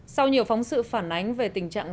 sau nhiều phóng sự phản ánh về tình trạng